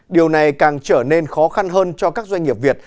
điều này càng trở nên khó khăn hơn cho các doanh nghiệp việt